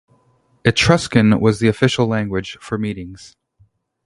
Etruscan was the official language for meetings.